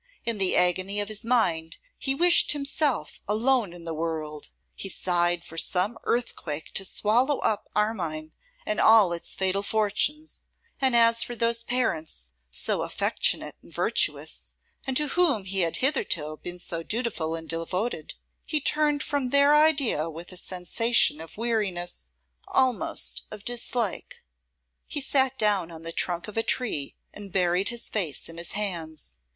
In the agony of his mind he wished himself alone in the world: he sighed for some earthquake to swallow up Armine and all its fatal fortunes; and as for those parents, so affectionate and virtuous, and to whom he had hitherto been so dutiful and devoted, he turned from their idea with a sensation of weariness, almost of dislike. He sat down on the trunk of a tree and buried his face in his hands.